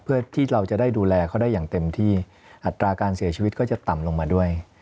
เพื่อที่เราจะได้ดูแลเขาได้อย่างเต็มที่อัตราการเสียชีวิตก็จะต่ำลงมาด้วย